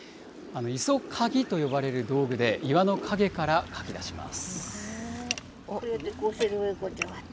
磯かぎと呼ばれる道具で、岩の陰からかきだします。